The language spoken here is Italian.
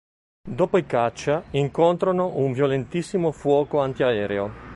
Dopo i caccia incontrano un violentissimo fuoco antiaereo.